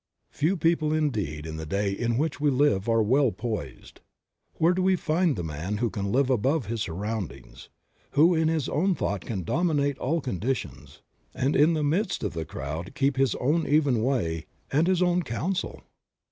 " Few people indeed in the day in which we live are well poised. Where do we find the man who can live above his surroundings, who in his own thought can dominate all conditions, and in the midst of the crowd keep his own even way, and his own counsel?